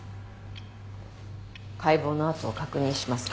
解剖の痕を確認しますか？